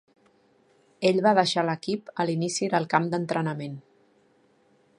Ell va deixar l'equip a l'inici del camp d'entrenament.